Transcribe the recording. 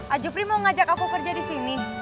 aju pri mau ngajak aku kerja di sini